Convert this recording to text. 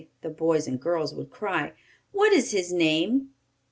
the boys and girls would cry. "What is his name?"